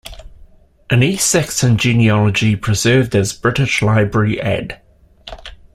An East-Saxon genealogy preserved as British Library Add.